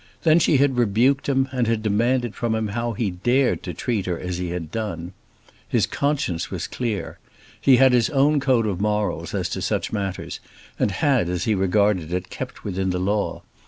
Then she had rebuked him, and had demanded from him how he had dared to treat her as he had done. His conscience was clear. He had his own code of morals as to such matters, and had, as he regarded it, kept within the law.